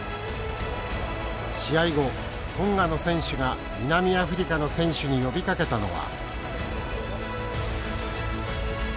試合後、トンガの選手が南アフリカの選手に呼びかけたのは。